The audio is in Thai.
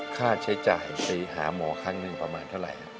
ค่าใช้จ่ายไปหาหมอครั้งหนึ่งประมาณเท่าไหร่